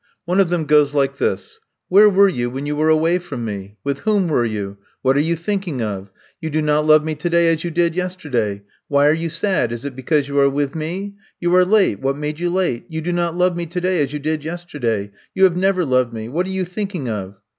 One of them goes like this: Where were you when you were away from me? With whom were you? What are you thinking off You do not love me today as you did yester day. Why are you sad — ^is it because you are with me? You are late — ^what made you late ? You do not love me today as you did yesterday. You have never loved me. What are you thinking of?"